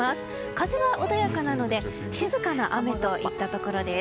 風は穏やかなので静かな雨といったところです。